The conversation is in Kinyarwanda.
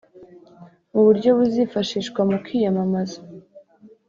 Mu buryo buzifashishwa mu kwiyamamaza